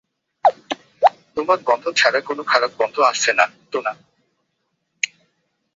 তোমার গন্ধ ছাড়া কোনো খারাপ গন্ধ আসছে না, তো না।